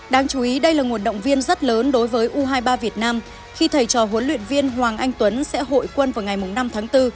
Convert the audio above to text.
đáng chú ý đây là nguồn động viên rất lớn đối với u hai mươi ba việt nam khi thầy trò huấn luyện viên hoàng anh tuấn sẽ hội quân vào ngày năm tháng bốn